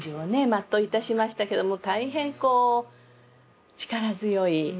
全ういたしましたけども大変こう力強い。